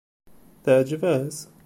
Teɛǧeb-as?